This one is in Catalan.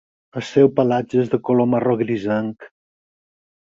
El seu pelatge és de color marró grisenc.